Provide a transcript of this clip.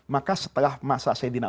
maka setelah masa sayyidina